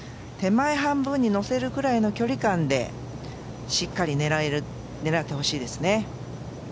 手前半分にのせるくらいの距離感でしっかり狙ってほしいですね。